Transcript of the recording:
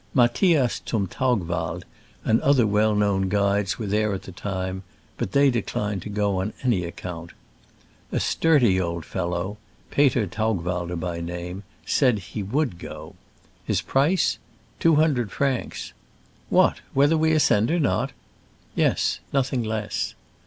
Matthias zum Taugwald and other well known guides were there at the time, but they declined to go on any account. A sturdy old fellow — Peter Taugwalder by name — said he would go. His price ?Two hundred francs. ''What! whether we ascend or not ?'* "Yes — nothing less.